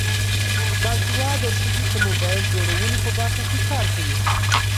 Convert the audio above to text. باسواده ښځې د موبایل جوړولو په برخه کې کار کوي.